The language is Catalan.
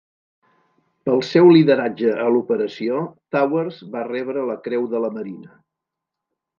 Pel seu lideratge a l'operació, Towers va rebre la Creu de la Marina.